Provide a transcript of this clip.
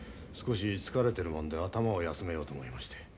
少し疲れてるもんで頭を休めようと思いまして。